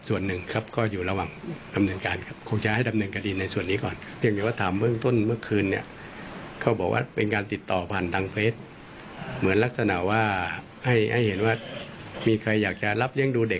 ส่วนหนึ่งครับก็อยู่ระวังดำเนินการครับ